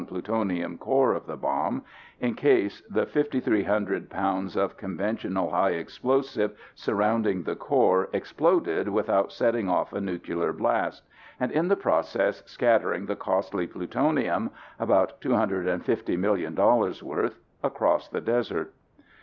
plutonium core of the bomb, in case the 5,300 lbs. of conventional high explosives surrounding the core exploded without setting off a nuclear blast, and in the process scattering the costly plutonium (about 250 million dollars worth) across the dessert.